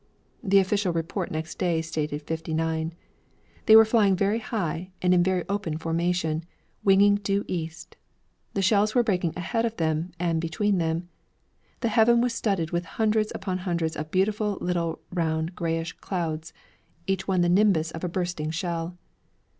The official report next day stated fifty nine. They were flying very high and in very open formation, winging due east. The shells were breaking ahead of them and between them. The heaven was studded with hundreds upon hundreds of beautiful little round grayish clouds, each one the nimbus of a bursting shell.